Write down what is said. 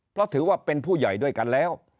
เพราะถือว่าเป็นผู้ใหญ่ด้วยกันแล้ว